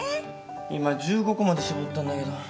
今１５個まで絞ったんだけど。